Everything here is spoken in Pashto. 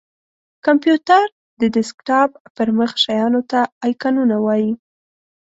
کمپېوټر:د ډیسکټاپ پر مخ شېانو ته آیکنونه وایې!